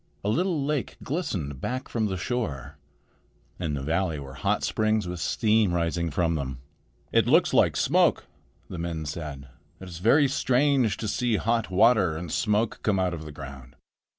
A little lake glistened back from shore. In the valley were hot springs, with steam rising from them. "It looks like smoke," the men said. "It is very strange to see hot water and smoke come out of the ground."